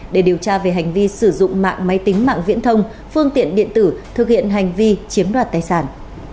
để điều tra về hành vi sử dụng mạng máy tính mạng viễn thông phương tiện điện tử thực hiện hành vi chiếm đoạt tài sản